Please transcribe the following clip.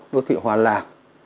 đô thị hòa lạc